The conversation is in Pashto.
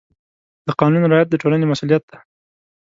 د قانون رعایت د ټولنې مسؤلیت دی.